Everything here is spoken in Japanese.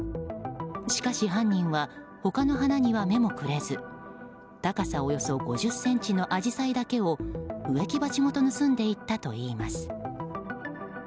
しかし犯人は他の花には目もくれず高さおよそ５０ｃｍのアジサイだけを植木鉢ごと盗んでいったといいます。